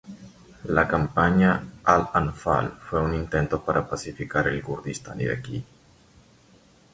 La Campaña al-Anfal fue un intento para pacificar el Kurdistán iraquí.